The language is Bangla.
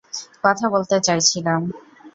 কথা বলতে চাইছিলাম।